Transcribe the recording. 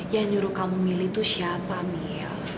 yang nyuruh kamu pilih tuh siapa miel